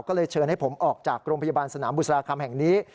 ก็เลยเชิญให้ผมออกจากโรงพยาบาลสนามบุษราคำแห่งนี้